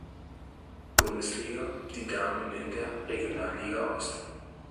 Bundesliga, die Damen in der Regionalliga Ost.